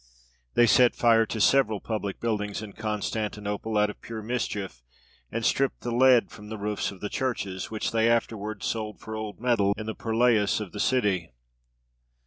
They set fire to several public buildings in Constantinople out of pure mischief, and stripped the lead from the roofs of the churches, which they afterwards sold for old metal in the purlieus of the city.